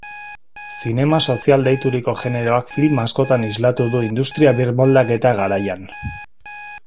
Zinema sozial deituriko generoak film askotan islatu du industria-birmoldaketa garaian.